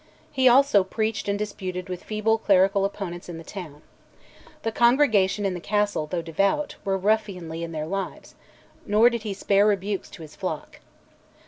He also preached and disputed with feeble clerical opponents in the town. The congregation in the castle, though devout, were ruffianly in their lives, nor did he spare rebukes to his flock.